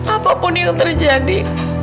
apapun yang terjadi